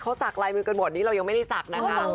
เราสักลายมือกันหมดอันนี้เรายังไม่สักหรอก